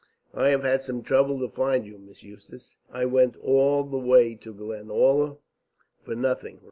"I have had some trouble to find you, Miss Eustace. I went all the way to Glenalla for nothing.